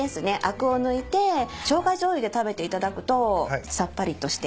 あくを抜いてしょうがじょうゆで食べていただくとさっぱりとして。